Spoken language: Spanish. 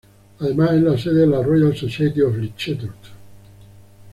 Además es la sede de la Royal Society of Literature.